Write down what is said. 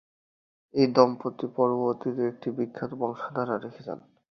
এই দম্পতি পরবর্তীতে একটি বিখ্যাত বংশধারা রেখে যান।